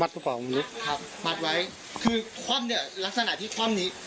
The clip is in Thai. มัดรึเปล่าไม่รู้ครับมัดไว้คือความเนี่ยลักษณะที่ความนี้